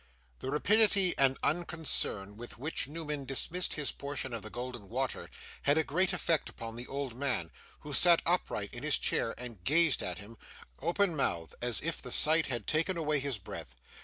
The rapidity and unconcern with which Newman dismissed his portion of the golden water, had a great effect upon the old man, who sat upright in his chair, and gazed at him, open mouthed, as if the sight had taken away his breath.